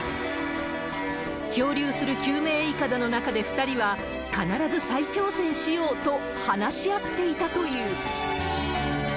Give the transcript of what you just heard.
漂流する救命いかだの中で２人は、必ず再挑戦しようと話し合っていたという。